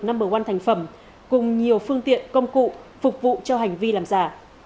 no một thành phẩm cùng nhiều phương tiện công cụ phục vụ cho hành vi làm giả